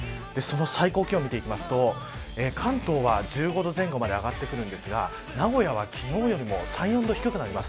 最高気温を見ると関東は１５度前後まで上がってくるんですが名古屋は、昨日よりも３、４度低くなります。